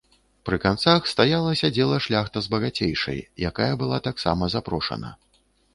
Пры канцах стала сядзела шляхта з багацейшай, якая была таксама запрошана.